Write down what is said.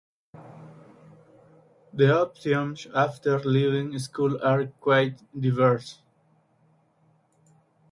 The options after leaving school are quite diverse.